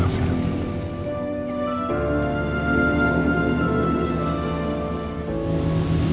kau menginap urutan aku